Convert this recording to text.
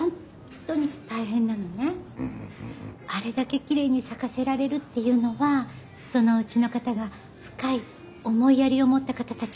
あれだけきれいに咲かせられるっていうのはそのおうちの方が深い思いやりを持った方たちってことなの。